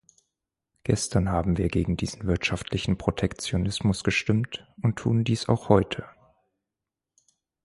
Gestern haben wir gegen diesen wirtschaftlichen Protektionismus gestimmt und tun dies auch heute.